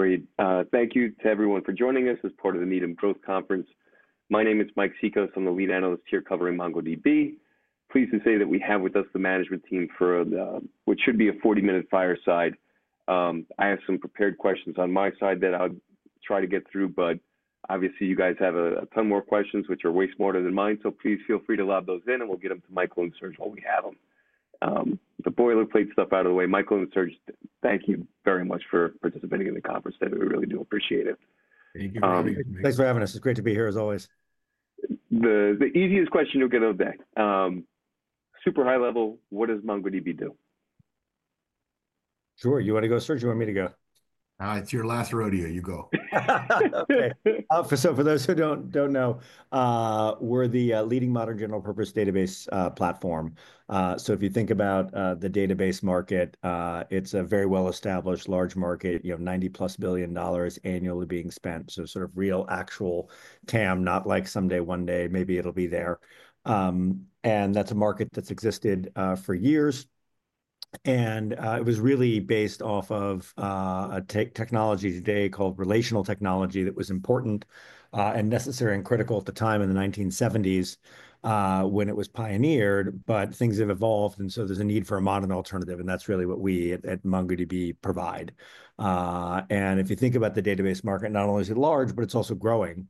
Great. Thank you to everyone for joining us as part of the Needham Growth Conference. My name is Mike Cikos. I'm the lead analyst here covering MongoDB. Pleased to say that we have with us the management team for, what should be a 40 minute fireside. I have some prepared questions on my side that I'll try to get through, but obviously you guys have a ton more questions which are way smarter than mine. So please feel free to lob those in, and we'll get them to Michael and Serge while we have them. The boilerplate stuff out of the way, Michael and Serge, thank you very much for participating in the conference today. We really do appreciate it. Thank you. Thanks for having us. It's great to be here as always. The easiest question you'll get out of the day, super high level, what does MongoDB do? Sure. You wanna go, Serge? You want me to go? It's your last rodeo. You go. Okay. So for those who don't know, we're the leading modern general purpose database platform. So if you think about the database market, it's a very well-established large market, you know, $90-plus billion annually being spent. So sort of real actual TAM, not like someday, one day, maybe it'll be there. And that's a market that's existed for years. And it was really based off of a technology today called relational technology that was important, and necessary and critical at the time in the 1970s, when it was pioneered. But things have evolved, and so there's a need for a modern alternative. And that's really what we at MongoDB provide. And if you think about the database market, not only is it large, but it's also growing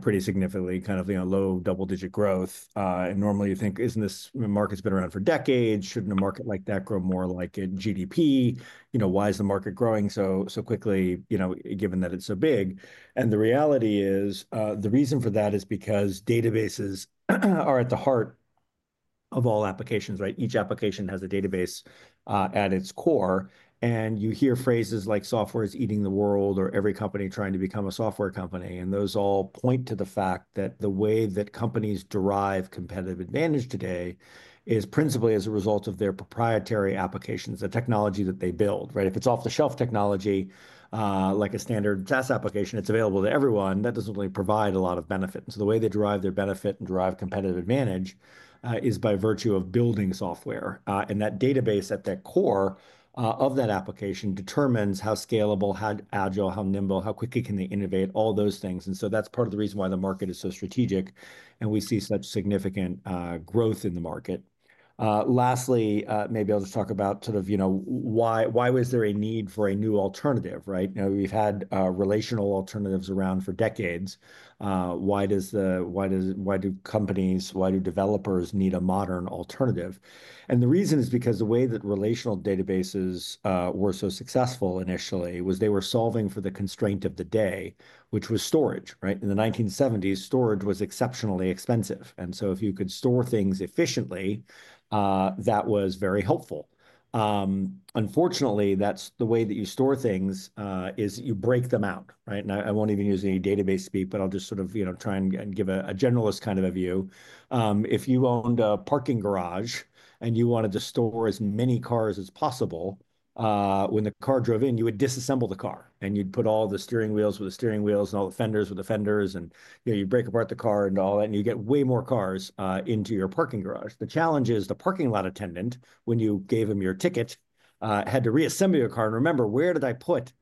pretty significantly, kind of, you know, low double-digit growth. And normally you think, isn't this market's been around for decades? Shouldn't a market like that grow more like a GDP? You know, why is the market growing so, so quickly, you know, given that it's so big? And the reality is, the reason for that is because databases are at the heart of all applications, right? Each application has a database, at its core. And you hear phrases like software's eating the world or every company trying to become a software company. And those all point to the fact that the way that companies derive competitive advantage today is principally as a result of their proprietary applications, the technology that they build, right? If it's off-the-shelf technology, like a standard SaaS application, it's available to everyone. That doesn't really provide a lot of benefit. And so the way they derive their benefit and derive competitive advantage is by virtue of building software. And that database at their core of that application determines how scalable, how agile, how nimble, how quickly can they innovate, all those things. And so that's part of the reason why the market is so strategic, and we see such significant growth in the market. Lastly, maybe I'll just talk about sort of, you know, why was there a need for a new alternative, right? You know, we've had relational alternatives around for decades. Why do companies, why do developers need a modern alternative? And the reason is because the way that relational databases were so successful initially was they were solving for the constraint of the day, which was storage, right? In the 1970s, storage was exceptionally expensive. And so if you could store things efficiently, that was very helpful. Unfortunately, that's the way that you store things, is you break them out, right? And I won't even use any database speak, but I'll just sort of, you know, try and give a generalist kind of a view. If you owned a parking garage and you wanted to store as many cars as possible, when the car drove in, you would disassemble the car and you'd put all the steering wheels with the steering wheels and all the fenders with the fenders. And, you know, you'd break apart the car and all that, and you get way more cars into your parking garage. The challenge is the parking lot attendant, when you gave him your ticket, had to reassemble your car and remember, where did I put,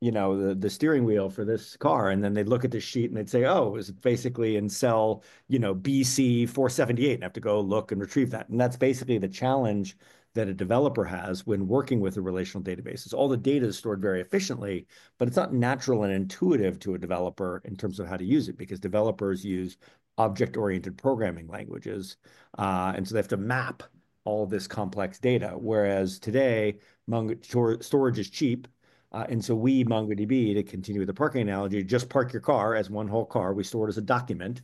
you know, the steering wheel for this car? And then they'd look at the sheet and they'd say, oh, it was basically in cell, you know, BC 478. And I have to go look and retrieve that. And that's basically the challenge that a developer has when working with the relational databases. All the data is stored very efficiently, but it's not natural and intuitive to a developer in terms of how to use it because developers use object-oriented programming languages, and so they have to map all this complex data. Whereas today, MongoDB storage is cheap, and so we, MongoDB, to continue with the parking analogy, just park your car as one whole car. We store it as a document.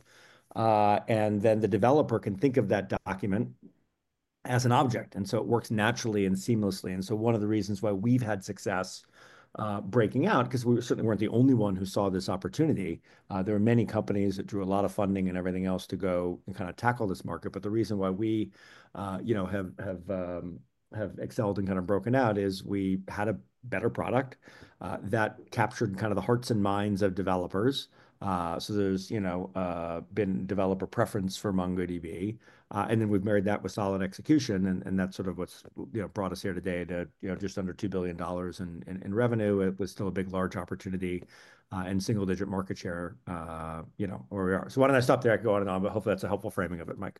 And then the developer can think of that document as an object. And so it works naturally and seamlessly. And so one of the reasons why we've had success, breaking out, 'cause we certainly weren't the only one who saw this opportunity. There were many companies that drew a lot of funding and everything else to go and kind of tackle this market. But the reason why we, you know, have excelled and kind of broken out is we had a better product, that captured kind of the hearts and minds of developers. So there's, you know, been developer preference for MongoDB. And then we've married that with solid execution. And that's sort of what's, you know, brought us here today to, you know, just under $2 billion in revenue. It was still a big, large opportunity, and single-digit market share, you know, where we are. So why don't I stop there? I can go on and on, but hopefully that's a helpful framing of it, Mike.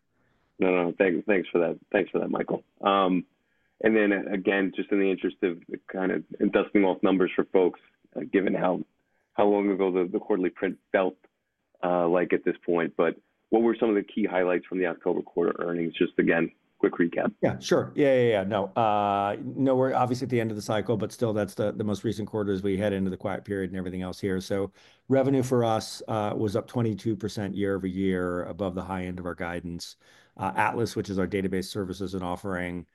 No, no. Thanks. Thanks for that. Thanks for that, Michael. And then again, just in the interest of kind of dusting off numbers for folks, given how, how long ago the, the quarterly print felt, like at this point. But what were some of the key highlights from the October quarter earnings? Just again, quick recap. Yeah, sure. Yeah, yeah, yeah. No, no, we're obviously at the end of the cycle, but still that's the most recent quarter as we head into the quiet period and everything else here. So revenue for us was up 22% year over year, above the high end of our guidance. Atlas, which is our database services and offering,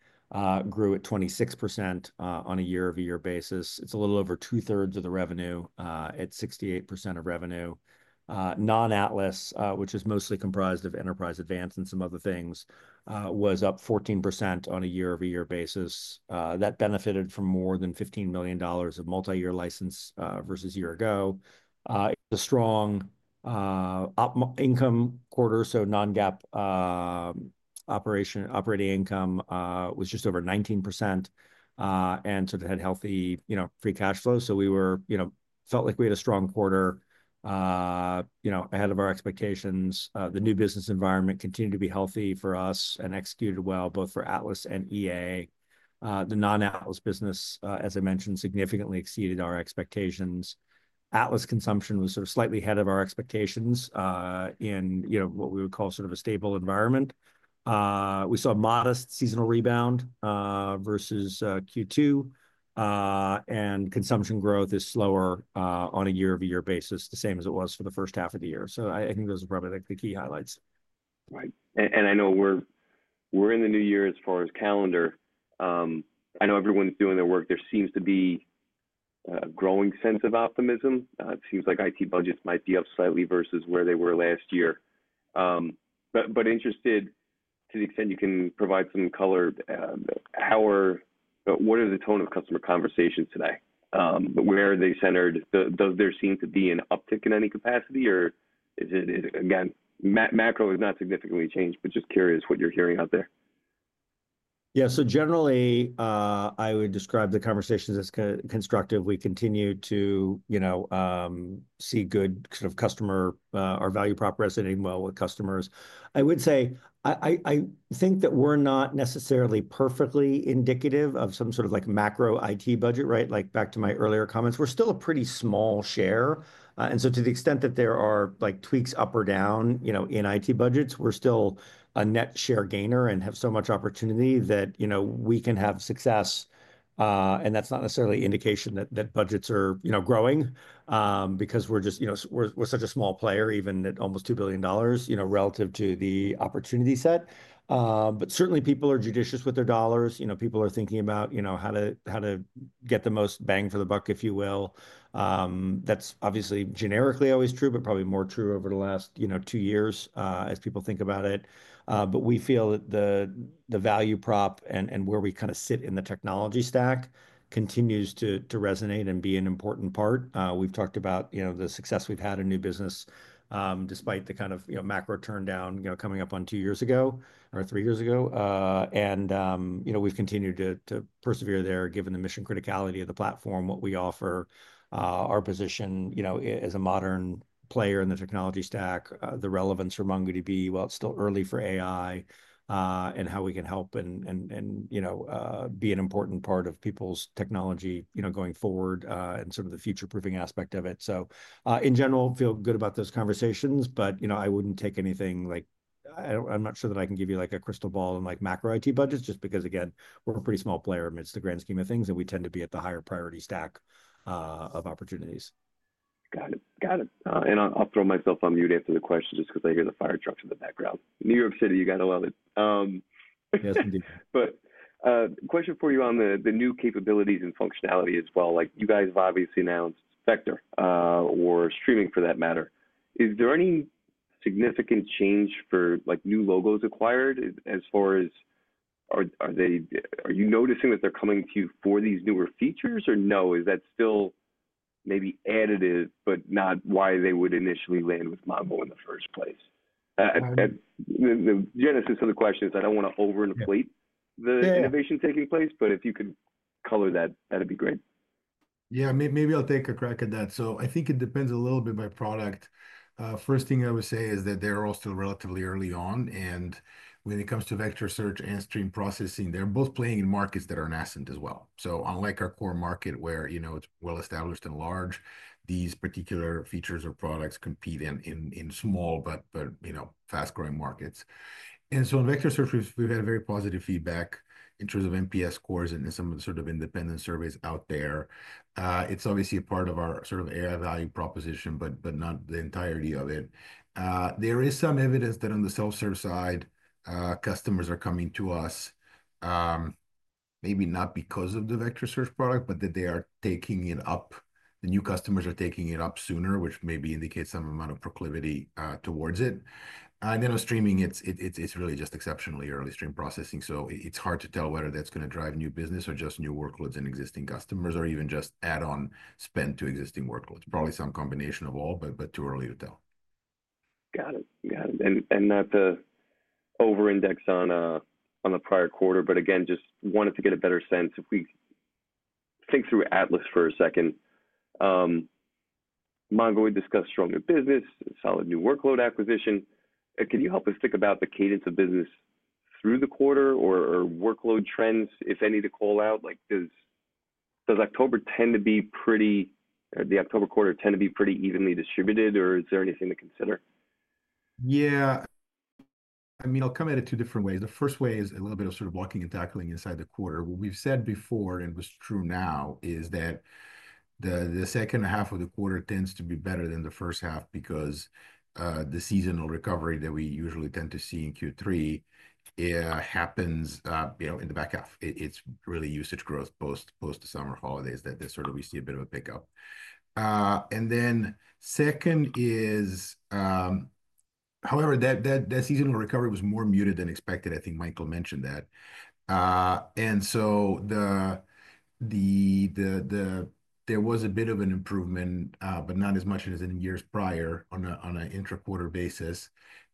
grew at 26% on a year-over-year basis. It's a little over two-thirds of the revenue, at 68% of revenue. Non-Atlas, which is mostly comprised of Enterprise Advanced and some other things, was up 14% on a year-over-year basis. That benefited from more than $15 million of multi-year license, versus a year ago. It was a strong operating income quarter. So non-GAAP operating income was just over 19%, and sort of had healthy, you know, free cash flow. So we were, you know, felt like we had a strong quarter, you know, ahead of our expectations. The new business environment continued to be healthy for us and executed well, both for Atlas and EA. The non-Atlas business, as I mentioned, significantly exceeded our expectations. Atlas consumption was sort of slightly ahead of our expectations, in, you know, what we would call sort of a stable environment. We saw modest seasonal rebound, versus, Q2, and consumption growth is slower, on a year-over-year basis, the same as it was for the first half of the year. So I, I think those are probably like the key highlights. Right. And I know we're in the new year as far as calendar. I know everyone's doing their work. There seems to be a growing sense of optimism. It seems like IT budgets might be up slightly versus where they were last year, but interested to the extent you can provide some color. What is the tone of customer conversations today? Where are they centered? Does there seem to be an uptick in any capacity, or is it again macro has not significantly changed, but just curious what you're hearing out there. Yeah. So generally, I would describe the conversations as constructive. We continue to, you know, see good sort of customer our value prop resonating well with customers. I would say I think that we're not necessarily perfectly indicative of some sort of like macro IT budget, right? Like back to my earlier comments, we're still a pretty small share. And so to the extent that there are like tweaks up or down, you know, in IT budgets, we're still a net share gainer and have so much opportunity that, you know, we can have success. And that's not necessarily an indication that budgets are, you know, growing, because we're just, you know, we're such a small player, even at almost $2 billion, you know, relative to the opportunity set. But certainly people are judicious with their dollars. You know, people are thinking about, you know, how to get the most bang for the buck, if you will. That's obviously generically always true, but probably more true over the last, you know, two years, as people think about it, but we feel that the value prop and where we kind of sit in the technology stack continues to resonate and be an important part. We've talked about, you know, the success we've had in new business, despite the kind of, you know, macro downturn, you know, coming up on two years ago or three years ago. And, you know, we've continued to persevere there given the mission criticality of the platform, what we offer, our position, you know, as a modern player in the technology stack, the relevance for MongoDB while it's still early for AI, and how we can help and, you know, be an important part of people's technology, you know, going forward, and sort of the future-proofing aspect of it. So, in general, feel good about those conversations, but, you know, I wouldn't take anything like, I don't, I'm not sure that I can give you like a crystal ball on like macro IT budgets just because, again, we're a pretty small player amidst the grand scheme of things, and we tend to be at the higher priority stack of opportunities. Got it. Got it, and I'll, I'll throw myself on mute after the question just 'cause I hear the fire trucks in the background. New York City, you gotta love it. Yes, indeed. But question for you on the new capabilities and functionality as well. Like you guys have obviously announced Vector Search, or streaming for that matter. Is there any significant change for like new logos acquired as far as, are you noticing that they're coming to you for these newer features or no, is that still maybe additive, but not why they would initially land with Mongo in the first place? And the genesis of the question is I don't wanna overinflate the innovation taking place, but if you could color that, that'd be great. Yeah, maybe I'll take a crack at that, so I think it depends a little bit by product. First thing I would say is that they're all still relatively early on, and when it comes to vector search and stream processing, they're both playing in markets that are nascent as well. Unlike our core market where, you know, it's well-established and large, these particular features or products compete in small, but, you know, fast-growing markets, and in vector search, we've had very positive feedback in terms of NPS scores and some of the sort of independent surveys out there. It's obviously a part of our sort of AI value proposition, but not the entirety of it. There is some evidence that on the self-serve side, customers are coming to us, maybe not because of the vector search product, but that they are taking it up. The new customers are taking it up sooner, which maybe indicates some amount of proclivity towards it. And then on streaming, it's really just exceptionally early stream processing. So it's hard to tell whether that's gonna drive new business or just new workloads and existing customers or even just add-on spend to existing workloads. Probably some combination of all, but too early to tell. Got it. Got it. And not to over-index on the prior quarter, but again, just wanted to get a better sense if we think through Atlas for a second. MongoDB discussed stronger business, solid new workload acquisition. Can you help us think about the cadence of business through the quarter or workload trends, if any, to call out? Like does October tend to be pretty, or the October quarter tend to be pretty evenly distributed, or is there anything to consider? Yeah. I mean, I'll come at it two different ways. The first way is a little bit of sort of walking and tackling inside the quarter. What we've said before and what's true now is that the second half of the quarter tends to be better than the first half because the seasonal recovery that we usually tend to see in Q3 happens, you know, in the back half. It's really usage growth post the summer holidays that sort of we see a bit of a pickup, and then second is, however, that seasonal recovery was more muted than expected. I think Michael mentioned that, and so there was a bit of an improvement, but not as much as in years prior on an intra-quarter basis.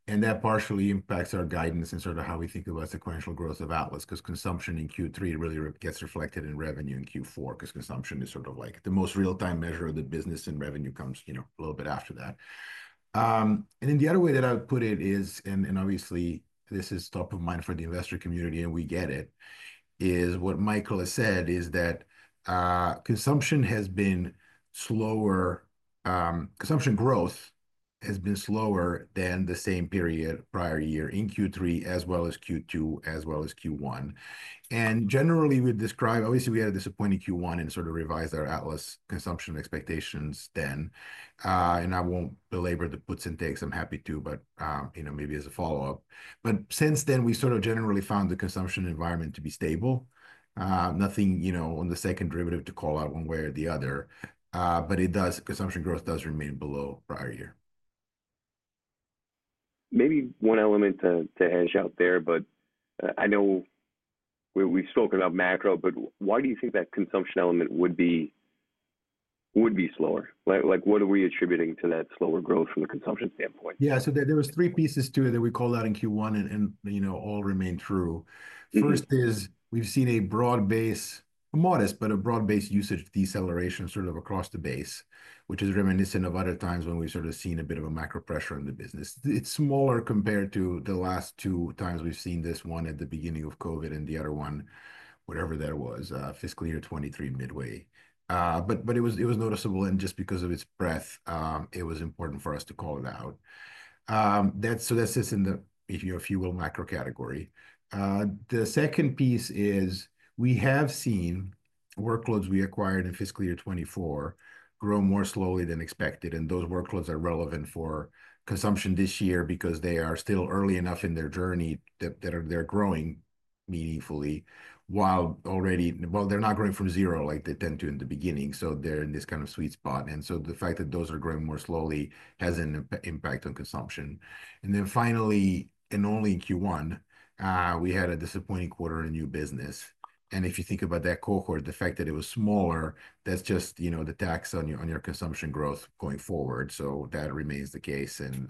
And that partially impacts our guidance and sort of how we think about sequential growth of Atlas 'cause consumption in Q3 really gets reflected in revenue in Q4 'cause consumption is sort of like the most real-time measure of the business and revenue comes, you know, a little bit after that. And then the other way that I would put it is, and obviously this is top of mind for the investor community and we get it, is what Michael has said is that consumption has been slower, consumption growth has been slower than the same period prior year in Q3 as well as Q2 as well as Q1. And generally we'd describe, obviously we had a disappointing Q1 and sort of revised our Atlas consumption expectations then. And I won't belabor the puts and takes, I'm happy to, but you know, maybe as a follow-up. But since then we sort of generally found the consumption environment to be stable. Nothing, you know, on the second derivative to call out one way or the other. But it does, consumption growth does remain below prior year. Maybe one element to hedge out there, but I know we're, we've spoken about macro, but why do you think that consumption element would be slower? Like, what are we attributing to that slower growth from a consumption standpoint? Yeah, so there were three pieces to it that we called out in Q1 and, you know, all remained true. First is we've seen a broad base, modest, but a broad base usage deceleration sort of across the base, which is reminiscent of other times when we've sort of seen a bit of a macro pressure in the business. It's smaller compared to the last two times we've seen this, one at the beginning of COVID and the other one, whatever that was, fiscal year 2023 midway, but it was noticeable and just because of its breadth, it was important for us to call it out. That's, so that's this in the, if you will, macro category. The second piece is we have seen workloads we acquired in fiscal year 2024 grow more slowly than expected. And those workloads are relevant for consumption this year because they are still early enough in their journey that they are growing meaningfully while they're not growing from zero like they tend to in the beginning. So they're in this kind of sweet spot. And so the fact that those are growing more slowly has an impact on consumption. And then finally, and only in Q1, we had a disappointing quarter in new business. And if you think about that cohort, the fact that it was smaller, that's just, you know, the tax on your consumption growth going forward. So that remains the case. And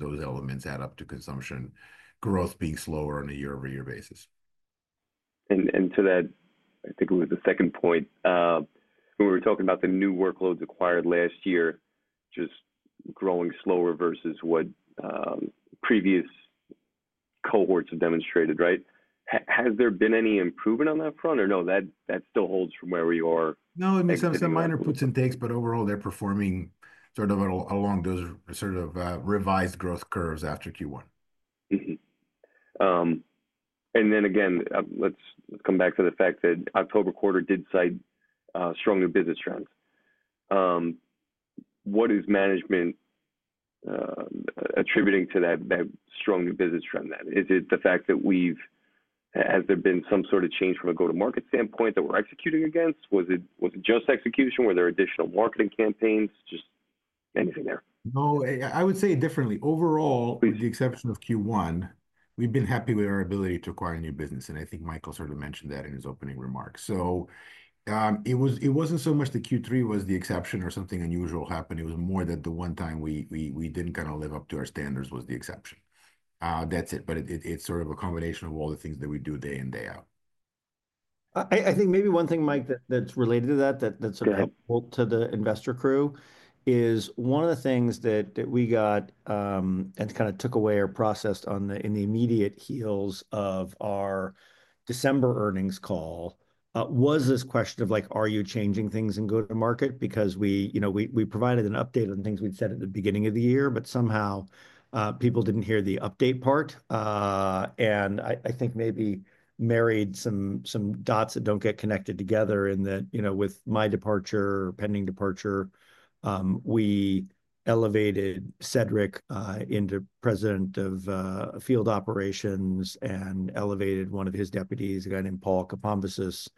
those elements add up to consumption growth being slower on a year-over-year basis. And to that, I think it was the second point, when we were talking about the new workloads acquired last year, just growing slower versus what previous cohorts have demonstrated, right? Has there been any improvement on that front or no, that still holds from where we are? No, it makes some minor puts and takes, but overall they're performing sort of along those sort of, revised growth curves after Q1. Mm-hmm. Then again, let's come back to the fact that October quarter did cite strong new business trends. What is management attributing to that strong new business trend then? Is it the fact that has there been some sort of change from a go-to-market standpoint that we're executing against? Was it just execution? Were there additional marketing campaigns? Just anything there? No, I would say it differently. Overall, with the exception of Q1, we've been happy with our ability to acquire new business, and I think Michael sort of mentioned that in his opening remarks, so it was, it wasn't so much that Q3 was the exception or something unusual happened. It was more that the one time we didn't kind of live up to our standards was the exception. That's it, but it's sort of a combination of all the things that we do day in, day out. I think maybe one thing, Mike, that's related to that that's sort of helpful to the investor crew is one of the things that we got and kind of took away or processed in the immediate heels of our December earnings call was this question of like, are you changing things in go-to-market? Because we, you know, we provided an update on things we'd said at the beginning of the year, but somehow people didn't hear the update part, and I think maybe connected some dots that don't get connected together in that, you know, with my departure, pending departure, we elevated Cedric into President of Field Operations and elevated one of his deputies, a guy named Paul Koumpouras,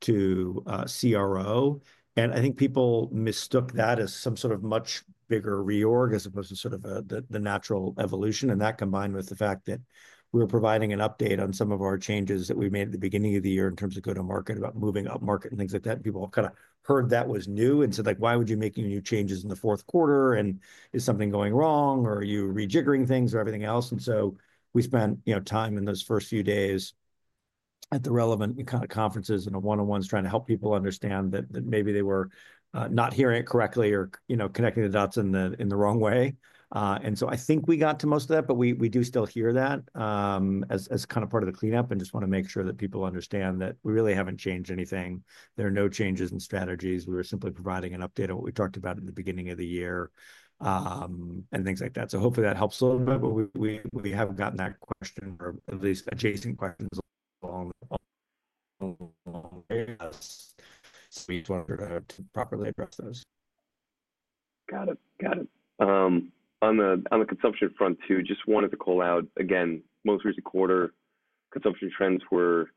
to CRO. I think people mistook that as some sort of much bigger reorg as opposed to sort of the natural evolution. That combined with the fact that we were providing an update on some of our changes that we made at the beginning of the year in terms of go-to-market about moving up market and things like that. People have kind of heard that was new and said like, why would you make any new changes in the fourth quarter? Is something going wrong or are you rejiggering things or everything else? We spent, you know, time in those first few days at the relevant kind of conferences and one-on-ones trying to help people understand that maybe they were not hearing it correctly or, you know, connecting the dots in the wrong way. And so I think we got to most of that, but we do still hear that, as kind of part of the cleanup and just wanna make sure that people understand that we really haven't changed anything. There are no changes in strategies. We were simply providing an update on what we talked about at the beginning of the year, and things like that. So hopefully that helps a little bit, but we haven't gotten that question or at least adjacent questions along the way. So we just wanted to properly address those. Got it. Got it. On the consumption front too, just wanted to call out again, most recent quarter consumption trends were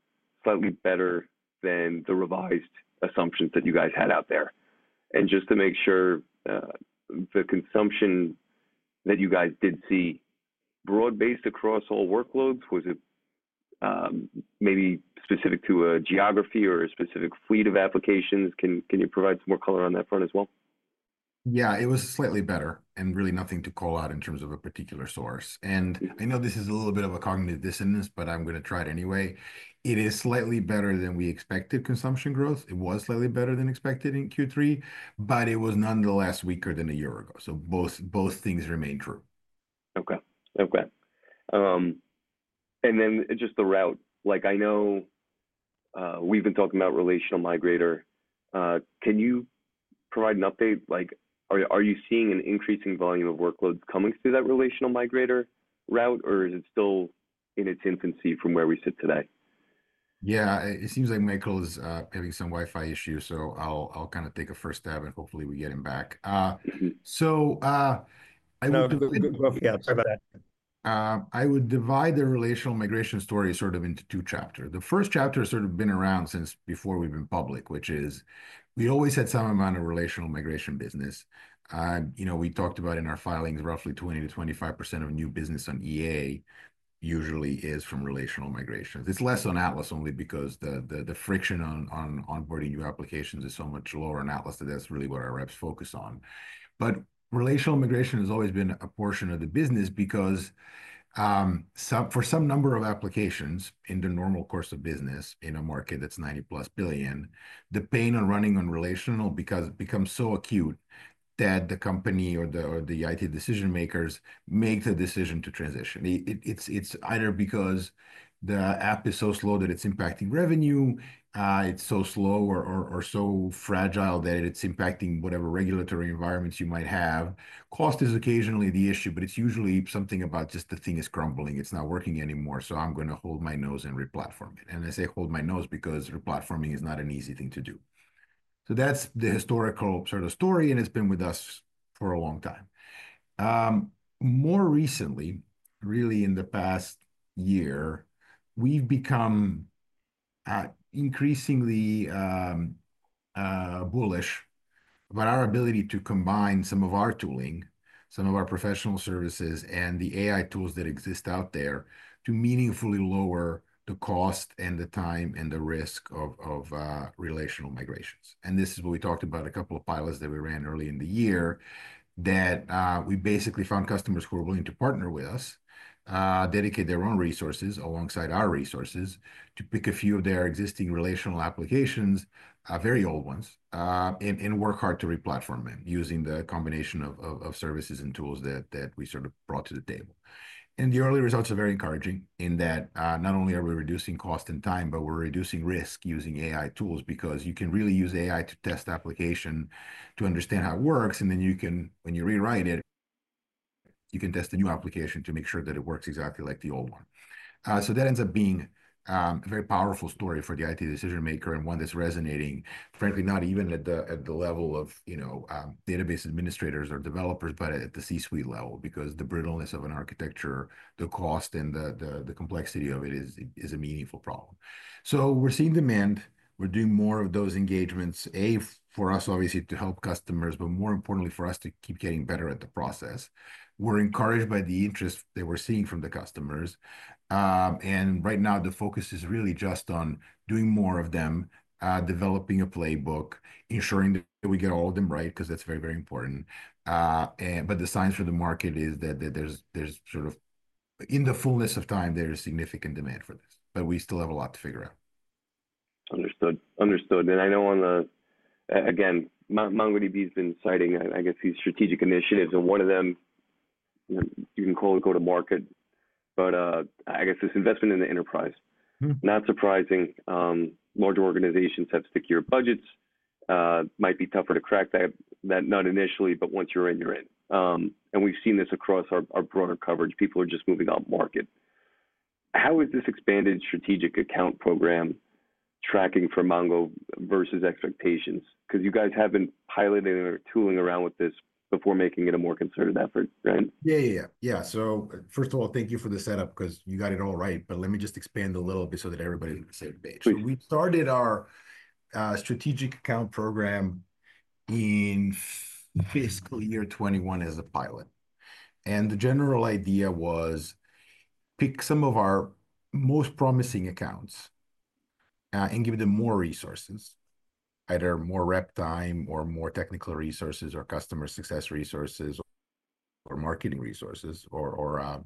slightly better than the revised assumptions that you guys had out there. And just to make sure, the consumption that you guys did see broad-based across all workloads, was it maybe specific to a geography or a specific fleet of applications? Can you provide some more color on that front as well? Yeah, it was slightly better and really nothing to call out in terms of a particular source. And I know this is a little bit of a cognitive dissonance, but I'm gonna try it anyway. It is slightly better than we expected consumption growth. It was slightly better than expected in Q3, but it was nonetheless weaker than a year ago. So both, both things remain true. Okay. Okay. And then just the route, like I know, we've been talking about Relational Migrator. Can you provide an update? Like, are you seeing an increasing volume of workloads coming through that Relational Migrator route or is it still in its infancy from where we sit today? Yeah, it seems like Michael is having some Wi-Fi issue. So I'll kind of take a first stab and hopefully we get him back. So, I would. No, it's a good question. Yeah, sorry about that. I would divide the relational migration story sort of into two chapters. The first chapter has sort of been around since before we've been public, which is we always had some amount of relational migration business. You know, we talked about in our filings, roughly 20%-25% of new business on EA usually is from relational migrations. It's less on Atlas only because the friction on onboarding new applications is so much lower on Atlas that that's really what our reps focus on. But relational migration has always been a portion of the business because for some number of applications in the normal course of business in a market that's $90-plus billion, the pain on running on relational because it becomes so acute that the company or the IT decision makers make the decision to transition. It's either because the app is so slow that it's impacting revenue, or so fragile that it's impacting whatever regulatory environments you might have. Cost is occasionally the issue, but it's usually something about just the thing is crumbling. It's not working anymore. So I'm gonna hold my nose and replatform it. And I say hold my nose because replatforming is not an easy thing to do. So that's the historical sort of story and it's been with us for a long time. More recently, really in the past year, we've become increasingly bullish about our ability to combine some of our tooling, some of our professional services and the AI tools that exist out there to meaningfully lower the cost and the time and the risk of relational migrations. And this is what we talked about a couple of pilots that we ran early in the year, we basically found customers who were willing to partner with us, dedicate their own resources alongside our resources to pick a few of their existing relational applications, very old ones, and work hard to replatform them using the combination of services and tools that we sort of brought to the table. And the early results are very encouraging in that, not only are we reducing cost and time, but we're reducing risk using AI tools because you can really use AI to test application to understand how it works. And then you can, when you rewrite it, you can test the new application to make sure that it works exactly like the old one. So that ends up being a very powerful story for the IT decision maker and one that's resonating frankly not even at the level of you know database administrators or developers but at the C-suite level because the brittleness of an architecture the cost and the complexity of it is a meaningful problem. So we're seeing demand. We're doing more of those engagements A for us obviously to help customers but more importantly for us to keep getting better at the process. We're encouraged by the interest that we're seeing from the customers. And right now the focus is really just on doing more of them developing a playbook ensuring that we get all of them right 'cause that's very very important. But the size of the market is that there's sort of, in the fullness of time, there is significant demand for this, but we still have a lot to figure out. Understood. Understood. And I know on the, again, MongoDB has been citing, I guess these strategic initiatives and one of them, you can call it go-to-market, but, I guess this investment in the enterprise, not surprising. Larger organizations have stickier budgets, might be tougher to crack that nut initially, but once you're in, you're in. And we've seen this across our broader coverage. People are just moving up market. How has this expanded strategic account program tracking for Mongo versus expectations? 'Cause you guys haven't piloted or tooling around with this before making it a more concerted effort, right? Yeah, yeah, yeah. Yeah. So first of all, thank you for the setup 'cause you got it all right, but let me just expand a little bit so that everybody's on the same page. So we started our strategic account program in fiscal year 2021 as a pilot. And the general idea was pick some of our most promising accounts, and give them more resources, either more rep time or more technical resources or customer success resources or marketing resources or, or,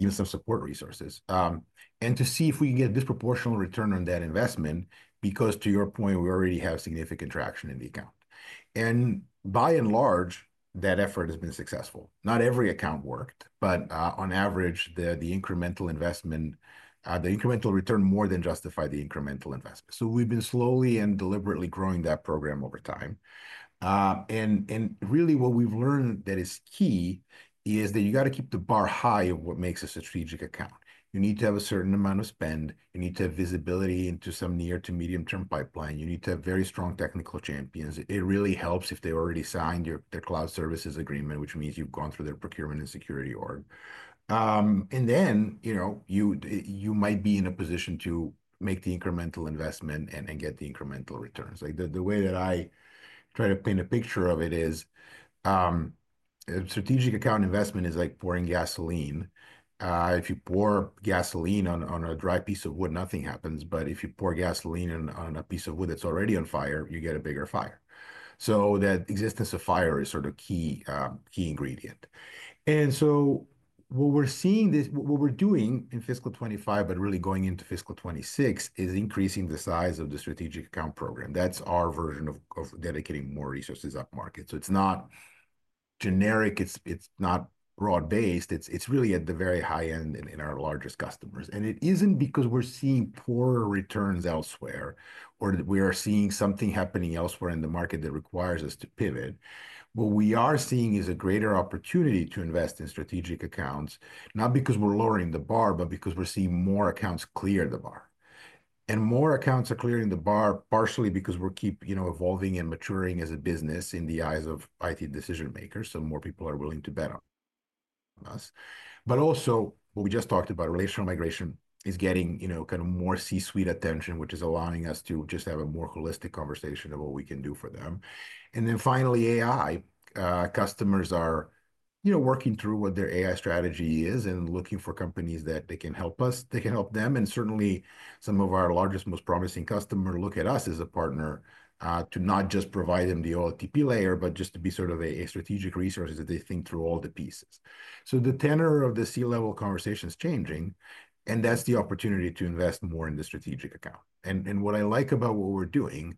even some support resources and to see if we can get a disproportionate return on that investment because to your point, we already have significant traction in the account. And by and large, that effort has been successful. Not every account worked, but on average, the incremental investment, the incremental return more than justified the incremental investment. So we've been slowly and deliberately growing that program over time, and really what we've learned that is key is that you gotta keep the bar high of what makes a strategic account. You need to have a certain amount of spend. You need to have visibility into some near to medium term pipeline. You need to have very strong technical champions. It really helps if they already signed your, their cloud services agreement, which means you've gone through their procurement and security org. And then, you know, you might be in a position to make the incremental investment and get the incremental returns. Like the way that I try to paint a picture of it is, strategic account investment is like pouring gasoline. If you pour gasoline on a dry piece of wood, nothing happens. But if you pour gasoline on a piece of wood that's already on fire, you get a bigger fire. That existence of fire is sort of key ingredient. And so what we're seeing, what we're doing in fiscal 2025, but really going into fiscal 2026 is increasing the size of the strategic account program. That's our version of dedicating more resources up-market. So it's not generic. It's not broad-based. It's really at the very high end in our largest customers. And it isn't because we're seeing poorer returns elsewhere or that we are seeing something happening elsewhere in the market that requires us to pivot. What we are seeing is a greater opportunity to invest in strategic accounts, not because we're lowering the bar, but because we're seeing more accounts clear the bar. And more accounts are clearing the bar partially because we're keeping, you know, evolving and maturing as a business in the eyes of IT decision makers. So more people are willing to bet on us. But also what we just talked about, relational migration is getting, you know, kind of more C-suite attention, which is allowing us to just have a more holistic conversation of what we can do for them. And then finally, AI. Customers are, you know, working through what their AI strategy is and looking for companies that they can help us, they can help them. And certainly some of our largest, most promising customers look at us as a partner to not just provide them the OLTP layer, but just to be sort of a strategic resource as they think through all the pieces. So the tenor of the C-level conversation is changing, and that's the opportunity to invest more in the strategic account. And what I like about what we're doing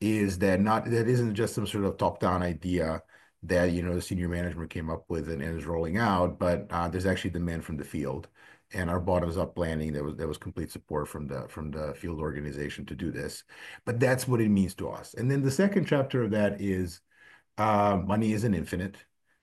is that that isn't just some sort of top-down idea that, you know, the senior management came up with and is rolling out, but there's actually demand from the field and our bottom-up planning that was complete support from the field organization to do this. But that's what it means to us. And then the second chapter of that is, money isn't infinite.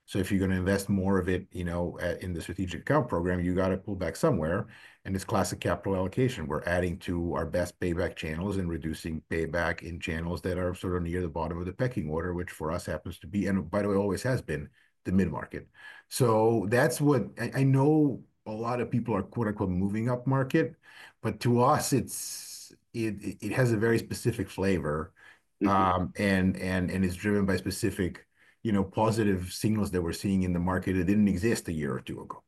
So if you're gonna invest more of it, you know, in the strategic account program, you gotta pull back somewhere. And it's classic capital allocation. We're adding to our best payback channels and reducing payback in channels that are sort of near the bottom of the pecking order, which for us happens to be, and by the way, always has been the mid-market. So that's what I know a lot of people are quote unquote moving up market, but to us it's, it has a very specific flavor. And it's driven by specific, you know, positive signals that we're seeing in the market that didn't exist a year or two ago.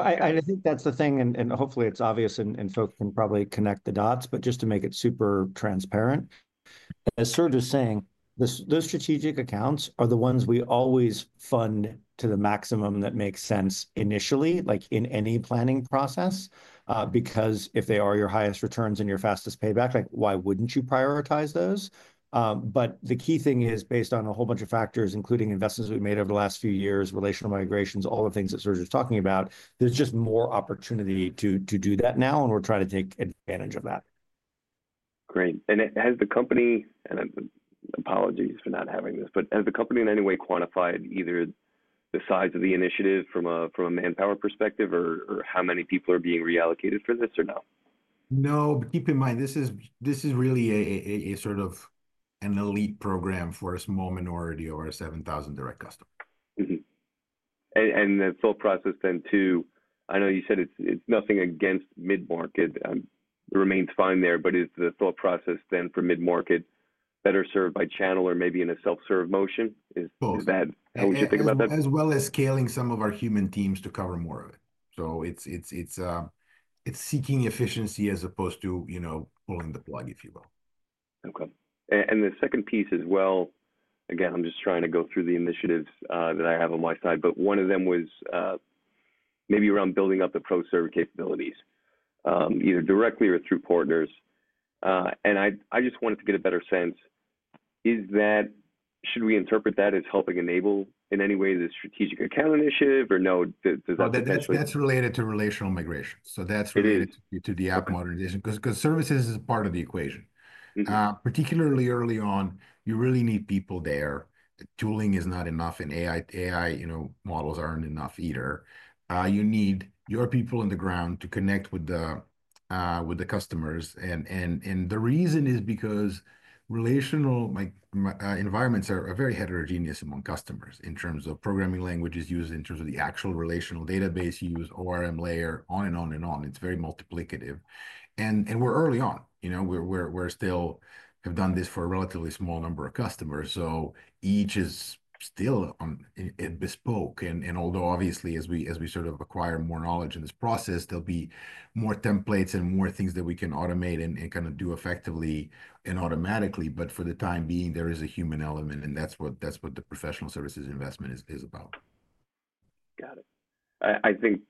I think that's the thing, and hopefully it's obvious, and folks can probably connect the dots. But just to make it super transparent, as Serge was saying, those strategic accounts are the ones we always fund to the maximum that makes sense initially, like in any planning process, because if they are your highest returns and your fastest payback, like why wouldn't you prioritize those? The key thing is based on a whole bunch of factors, including investments we've made over the last few years, relational migrations, all the things that Serge was talking about. There's just more opportunity to do that now, and we're trying to take advantage of that. Great. And has the company, and apologies for not having this, but has the company in any way quantified either the size of the initiative from a manpower perspective or how many people are being reallocated for this or no? No, but keep in mind this is really a sort of an elite program for a small minority over 7,000 direct customers. Mm-hmm. And the thought process then too, I know you said it's nothing against mid-market, remains fine there, but is the thought process then for mid-market better served by channel or maybe in a self-serve motion? Is that how would you think about that? As well as scaling some of our human teams to cover more of it, so it's seeking efficiency as opposed to, you know, pulling the plug, if you will. Okay. And the second piece as well, again, I'm just trying to go through the initiatives that I have on my side, but one of them was maybe around building up the pro-serve capabilities, either directly or through partners. And I just wanted to get a better sense. Is that, should we interpret that as helping enable in any way the strategic account initiative or no, does that potentially? No, that's related to relational migration. So that's related to the app modernization 'cause services is a part of the equation. Particularly early on, you really need people there. Tooling is not enough and AI, you know, models aren't enough either. You need your people on the ground to connect with the customers. And the reason is because relational environments are very heterogeneous among customers in terms of programming languages used in terms of the actual relational database use, ORM layer on and on and on. It's very multiplicative. And we're early on, you know, we're still have done this for a relatively small number of customers. So each is still in bespoke. Although obviously as we sort of acquire more knowledge in this process, there'll be more templates and more things that we can automate and kind of do effectively and automatically, but for the time being, there is a human element and that's what the professional services investment is about. Got it. I think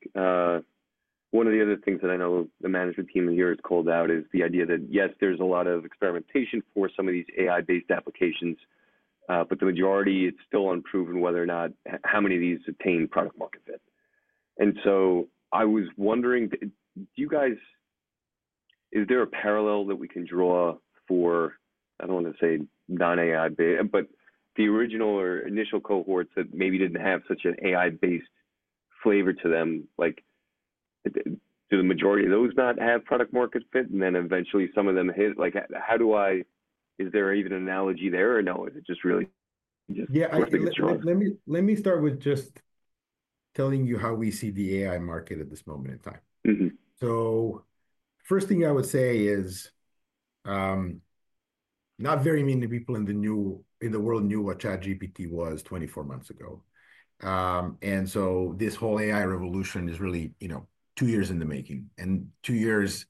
one of the other things that I know the management team in here has called out is the idea that yes, there's a lot of experimentation for some of these AI-based applications, but the majority, it's still unproven whether or not how many of these attain product market fit. And so I was wondering, do you guys, is there a parallel that we can draw for, I don't wanna say non-AI, but the original or initial cohorts that maybe didn't have such an AI-based flavor to them, like do the majority of those not have product market fit? And then eventually some of them hit, like how do I, is there even an analogy there or no, is it just really working its role? Yeah, I think, let me, let me start with just telling you how we see the AI market at this moment in time. Mm-hmm. First thing I would say is, not very many people in the world knew what ChatGPT was 24 months ago, and so this whole AI revolution is really, you know, two years in the making and two years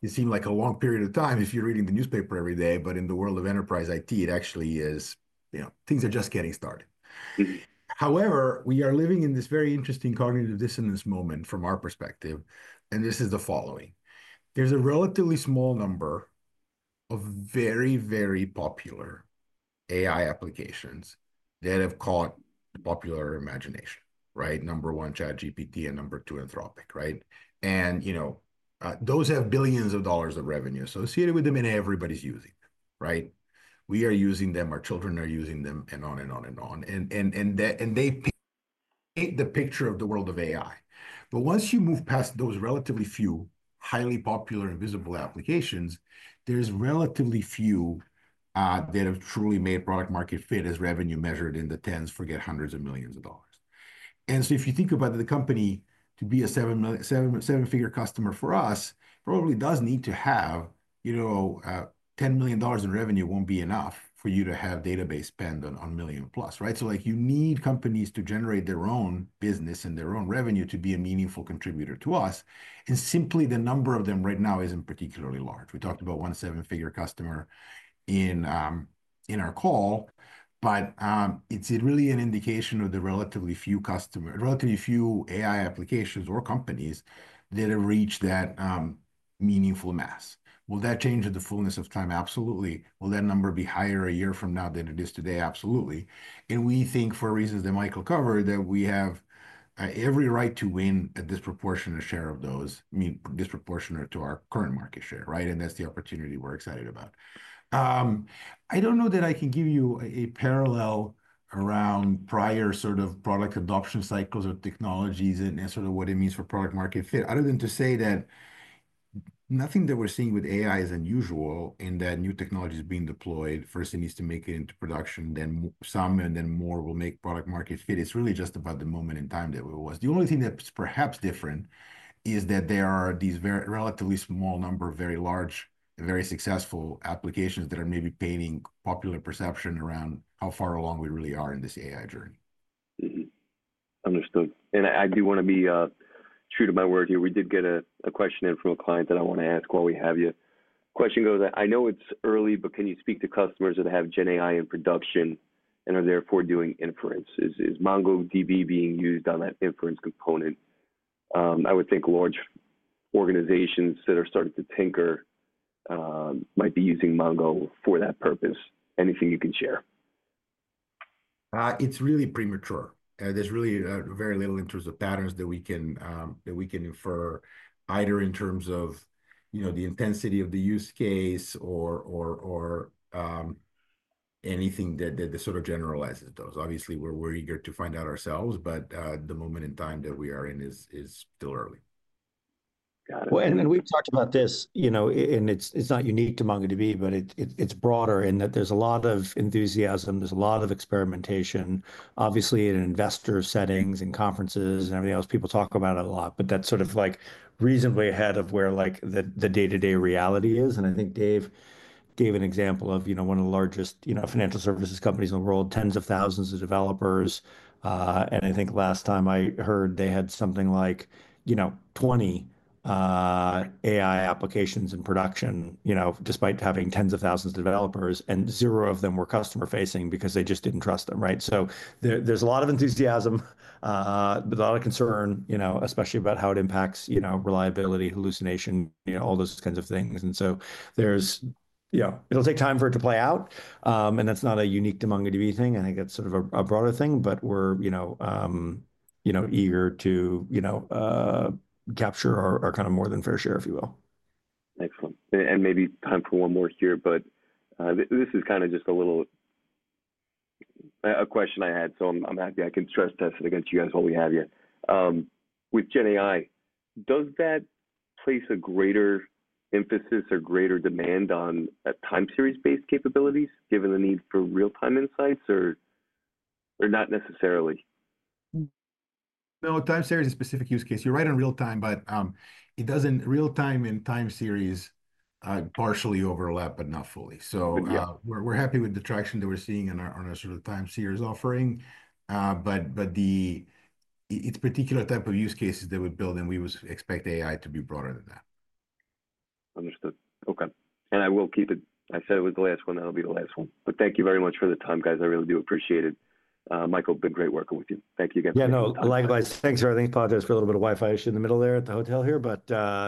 it seemed like a long period of time if you're reading the newspaper every day, but in the world of enterprise IT, it actually is, you know, things are just getting started. Mm-hmm. However, we are living in this very interesting cognitive dissonance moment from our perspective, and this is the following. There's a relatively small number of very, very popular AI applications that have caught popular imagination, right? Number one, ChatGPT and number two, Anthropic, right? You know, those have billions of dollars of revenue associated with them and everybody's using them, right? We are using them, our children are using them and on and on and on. And they paint the picture of the world of AI. But once you move past those relatively few highly popular and visible applications, there's relatively few that have truly made product market fit as revenue measured in the tens forget hundreds of millions of dollars. And so if you think about the company to be a $7 million seven-figure customer for us, probably does need to have, you know, $10 million in revenue. It won't be enough for you to have database spend on $1 million plus, right? So like you need companies to generate their own business and their own revenue to be a meaningful contributor to us. And simply the number of them right now isn't particularly large. We talked about one seven-figure customer in our call, but it's really an indication of the relatively few customers, relatively few AI applications or companies that have reached that meaningful mass. Will that change in the fullness of time? Absolutely. Will that number be higher a year from now than it is today? Absolutely. We think for reasons that Michael covered that we have every right to win a disproportionate share of those, meaning disproportionate to our current market share, right? That's the opportunity we're excited about. I don't know that I can give you a parallel around prior sort of product adoption cycles or technologies and sort of what it means for product market fit, other than to say that nothing that we're seeing with AI is unusual in that new technology is being deployed. First, it needs to make it into production, then some and then more will make product market fit. It's really just about the moment in time that it was. The only thing that's perhaps different is that there are these very relatively small number of very large, very successful applications that are maybe painting popular perception around how far along we really are in this AI journey. Mm-hmm. Understood. And I do wanna be true to my word here. We did get a question in from a client that I wanna ask while we have you. Question goes, I know it's early, but can you speak to customers that have Gen AI in production and are therefore doing inference? Is MongoDB being used on that inference component? I would think large organizations that are starting to tinker might be using Mongo for that purpose. Anything you can share? It's really premature. There's really very little in terms of patterns that we can infer either in terms of, you know, the intensity of the use case or anything that sort of generalizes those. Obviously, we're eager to find out ourselves, but the moment in time that we are in is still early. Got it. Well, we've talked about this, you know, and it's not unique to MongoDB, but it's broader in that there's a lot of enthusiasm, there's a lot of experimentation, obviously in investor settings and conferences and everything else. People talk about it a lot, but that's sort of like reasonably ahead of where the day-to-day reality is. And I think Dave gave an example of, you know, one of the largest, you know, financial services companies in the world, tens of thousands of developers. And I think last time I heard they had something like, you know, 20 AI applications in production, you know, despite having tens of thousands of developers and zero of them were customer facing because they just didn't trust them, right? So, there, there's a lot of enthusiasm, but a lot of concern, you know, especially about how it impacts, you know, reliability, hallucination, you know, all those kinds of things. And so, there's, you know, it'll take time for it to play out, and that's not unique to MongoDB thing. I think that's sort of a, a broader thing, but we're, you know, you know, eager to, you know, capture our, our kind of more than fair share, if you will. Excellent. Maybe time for one more here, but this is kind of just a little question I had. I'm happy I can stress test it against you guys while we have you. With Gen AI, does that place a greater emphasis or greater demand on time series-based capabilities given the need for real-time insights or not necessarily? No, time series is a specific use case. You're right on real-time, but real-time and time series partially overlap but not fully. So, we're happy with the traction that we're seeing on our sort of time series offering, but it's a particular type of use cases that we build and we would expect AI to be broader than that. Understood. Okay. And I will keep it. I said it was the last one; that'll be the last one. But thank you very much for the time, guys. I really do appreciate it. Michael, been great working with you. Thank you again. Yeah, no, likewise. Thanks for everything. Apologize for a little bit of Wi-Fi issue in the middle there at the hotel here, but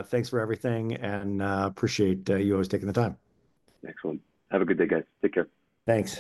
thanks for everything and appreciate you always taking the time. Excellent. Have a good day, guys. Take care. Thanks.